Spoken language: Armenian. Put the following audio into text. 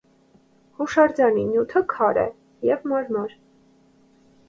Հուշարձանի նյութը քար է և մարմար։